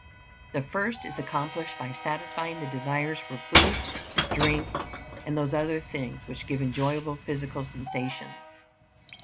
The first is accomplished by satisfying the desires for food, drink, and those other things which give enjoyable physical sensations.